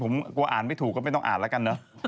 ผมกลัวอ่านไม่ถูกก็ไม่ต้องอ่านแล้วกันเนอะ